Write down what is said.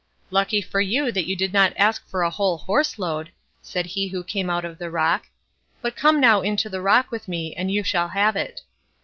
"Lucky for you that you did not ask for a whole horse load", said he who came out of the rock; "but come now into the rock with me, and you shall have it."